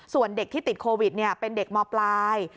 ส่วนเด็กที่ติดโควิดเป็นเด็กมปลาย